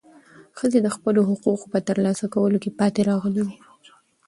ښځې د خپلو حقوقو په ترلاسه کولو کې پاتې راغلې دي.